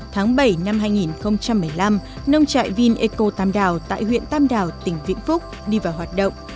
tháng bảy năm hai nghìn một mươi năm nông trại vineco tam đào tại huyện tam đảo tỉnh vĩnh phúc đi vào hoạt động